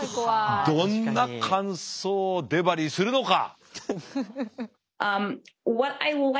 どんな感想をデバリーするのか。